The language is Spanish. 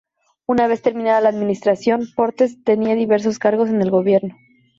Una vez terminada la administración, Portes tendría diversos cargos en el gobierno.